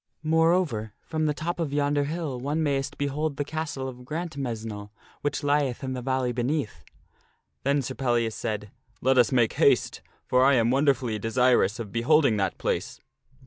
More over, from the top of yonder hill one mayst behold the castle of Grant mesnle which lieth in the valley beneath." Then Sir Pellias said, " Let us make haste ! For I am wonderfully desirous of beholding that place."